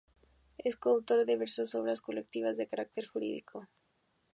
Es co-autor de diversas obras colectivas de carácter jurídico.